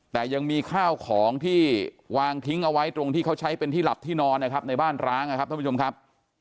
แต่ยังมีข้าวของที่วางทิ้งเอาไว้ตรงที่เขาใช้เป็นที่หลับที่นอนนะครับในบ้านร้างนะครับท่านผู้ชมครับ